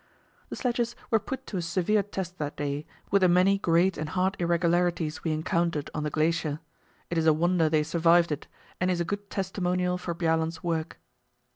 The sledges were put to a severe test that day, with the many great and hard irregularities we encountered on the glacier; it is a wonder they survived it, and is a good testimonial for Bjaaland's work.